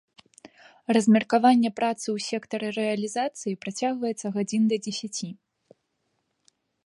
Размеркаванне працы ў сектары рэалізацыі працягваецца гадзін да дзесяці.